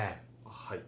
はい。